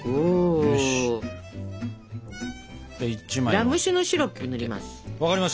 ラム酒のシロップ塗ります。